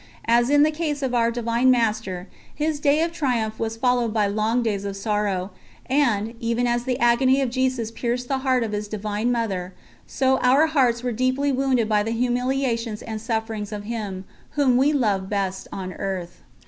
As in the case of Our Divine Master, his day of triumph was followed by long days of sorrow; and, even as the agony of Jesus pierced the heart of His divine Mother, so our hearts were deeply wounded by the humiliations and sufferings of him, whom we loved best on earth.